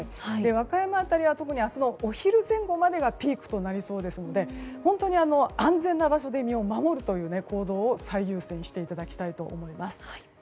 和歌山辺りは特に明日のお昼前後までがピークとなりそうですので安全な場所で身を守る行動を最優先していただきたいと思います。